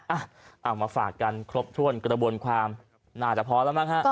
เอามาฝากกันครบถ้วนกระบวนความน่าจะพอแล้วมั้งฮะ